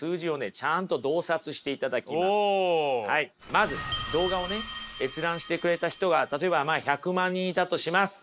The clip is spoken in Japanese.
まず動画をね閲覧してくれた人が例えばまあ１００万人いたとします。